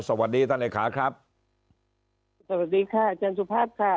สวัสดีท่านเลขาครับสวัสดีค่ะอาจารย์สุภาพค่ะ